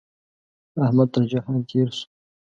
احمد تر جهان تېر شو.